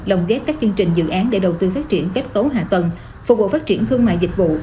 lồng ghép các chương trình dự án để đầu tư phát triển kết cấu hạ tầng phục vụ phát triển thương mại dịch vụ